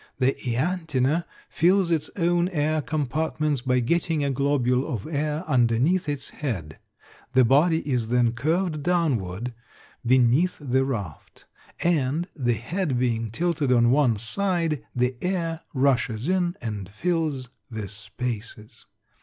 The Ianthina fills its own air compartments by getting a globule of air underneath its head, the body is then curved downward beneath the raft, and, the head being tilted on one side, the air rushes in and fills the spaces.